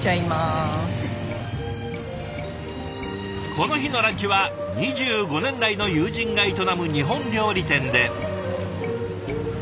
この日のランチは２５年来の友人が営む日本料理店で。